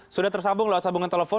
sudah tersambung lewat sambungan telepon